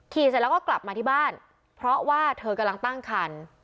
เสร็จแล้วก็กลับมาที่บ้านเพราะว่าเธอกำลังตั้งคัน